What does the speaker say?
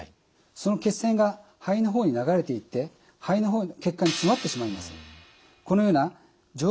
その血栓が肺の方に流れていって肺の血管が詰まってしまいます。